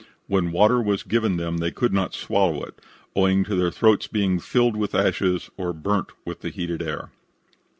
When water was given them they could not swallow it, owing to their throats being filled with ashes or burnt with the heated air.